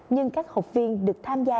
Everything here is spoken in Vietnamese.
nhưng các học viên được tham gia